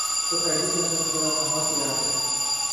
تو ایٹمی جنگ کا خطرہ کہاں سے آ گیا؟